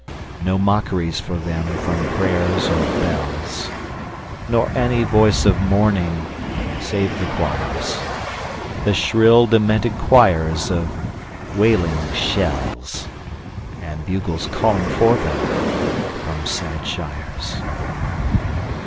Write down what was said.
No mockeries for them from prayers or bells, Nor any voice of mourning save the choirs The shrill, demented choirs of wailing shells; And bugles calling for them from sad shires.